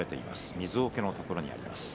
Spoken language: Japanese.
水おけのところにあります。